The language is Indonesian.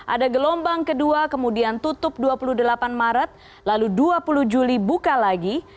ada gelombang kedua kemudian tutup dua puluh delapan maret lalu dua puluh juli buka lagi